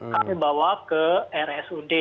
kami bawa ke rsud